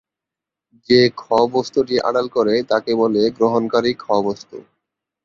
যে খ-বস্তুটি আড়াল করে, তাকে বলে গ্রহণকারী খ-বস্তু।